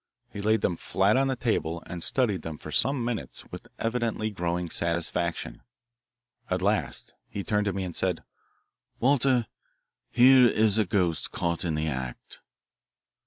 He laid them flat on the table and studied them for some minutes with evidently growing satisfaction. At last he turned to me and said, "Walter, here is a ghost caught in the act."